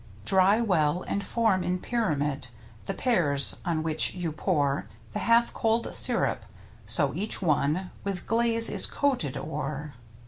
Dry well, and form in pyramid The pears, on which you pour The half cold sirup, so each one With glaze is coated o'er.